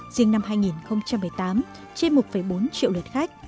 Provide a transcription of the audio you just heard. riêng năm hai nghìn một mươi tám trên một bốn triệu lượt khách